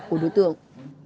của đối tượng